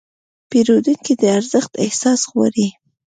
پیرودونکي د ارزښت احساس غواړي.